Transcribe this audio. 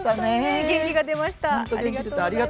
元気が出ました。